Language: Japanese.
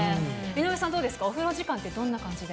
井上さん、どうですか、お風呂時間ってどんな感じで。